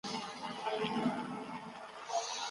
خاوند ته د طلاق حق ثابت دی.